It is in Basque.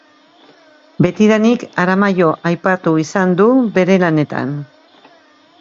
Betidanik Aramaio aipatu izan du bere lanetan.